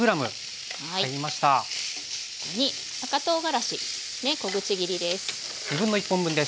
ここに赤とうがらしね小口切りです。